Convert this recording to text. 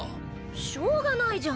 しょうがないじゃん